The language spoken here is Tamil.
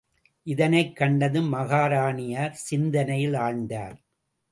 இதனைக் கண்டதும், மகாராணியார் சிந்தனையில் ஆழ்ந்தார்.